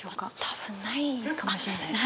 多分ないかもしれないですね。